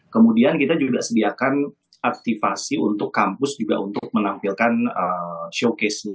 kemudian kita juga sediakan aktivasi untuk kampus juga untuk menampilkan showcase